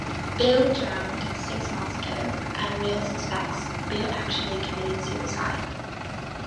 Bill drowned six months ago, and Will suspects Bill actually committed suicide.